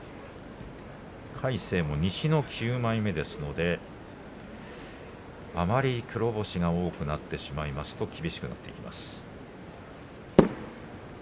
魁聖も西の９枚目ですのであまり黒星が多くなってしまいますと厳しくなってきます。